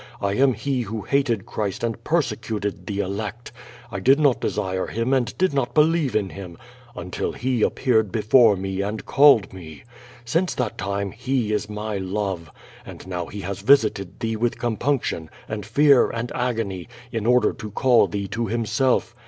I am he who hated Christ and persecuted the elect. I did not desire Him and did not believe in Him, un til He appeartnl before me and called me. Since that time He is my love. And now He has visited thee with compunc QVO VAD18. 459 tion, and fear, and agony, in order to call thee to Himself.